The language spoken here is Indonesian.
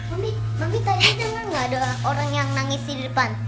mami mami tadi dengar gak ada orang yang nangis di depan